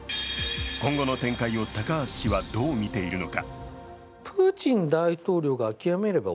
今後の展開を高橋氏はどう見ているのか？